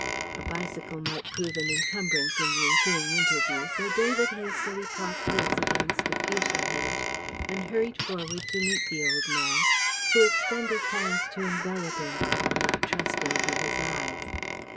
A bicycle might prove an incumbrance in the ensuing interview, so David hastily propped his against a fuchsia hedge and hurried forward to meet the old man, who extended hands to envelop him, not trusting to his eyes.